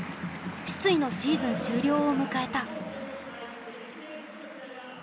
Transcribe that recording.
失意のシーズン終了を迎えた。